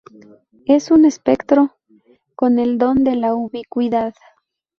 Es un espectro con el don de la ubicuidad.